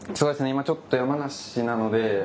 今ちょっと山梨なので。